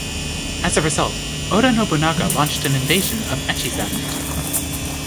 As a result, Oda Nobunaga launched an invasion of Echizen.